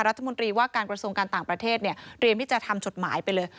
รัฐมนตรีว่าการกระทรวงการต่างประเทศเนี่ยเตรียมที่จะทำจดหมายไปเลย